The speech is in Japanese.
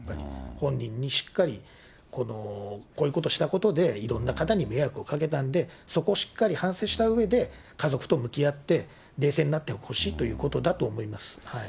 本人にしっかり、こういうことをしたことで、いろんな方に迷惑をかけたんで、そこをしっかり反省したうえで、家族と向き合って、冷静になってほしいということだと思います。